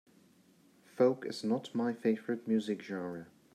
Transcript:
Folk is not my favorite music genre.